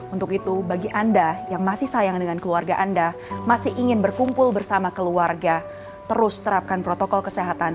untuk itu bagi anda yang masih sayang dengan keluarga anda masih ingin berkumpul bersama keluarga terus terapkan protokol kesehatan